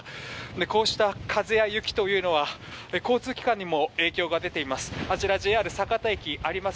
こうした風や雪というのは交通機関にも影響が出ています。